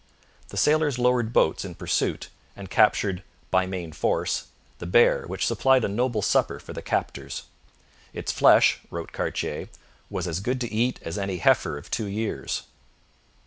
The sailors lowered boats in pursuit, and captured 'by main force' the bear, which supplied a noble supper for the captors. 'Its flesh,' wrote Cartier, 'was as good to eat as any heifer of two years.'